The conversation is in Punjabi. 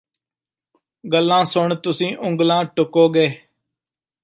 ਗਲਾਂ ਸੁਣ ਤੁਸੀਂ ਉਗਲਾਂ ਟੁਕੋਗੇ